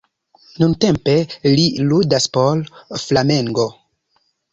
Nuntempe li ludas por Flamengo.